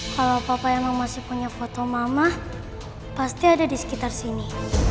kalau papa emang masih punya foto mama pasti ada di sekitar sini